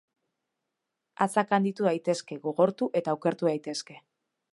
Hatzak handitu daitezke, gogortu eta okertu daitezke.